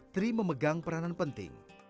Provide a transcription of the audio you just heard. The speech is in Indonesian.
tri memegang peranan penting